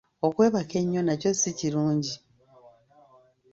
Okwebaka ennyo nakyo si kirungi.